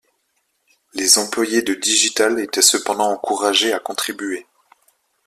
Les employés de Digital étaient cependant encouragés à contribuer.